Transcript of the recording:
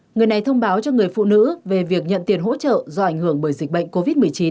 người này thông báo cho người phụ nữ về việc nhận tiền hỗ trợ do ảnh hưởng bởi dịch bệnh covid một mươi chín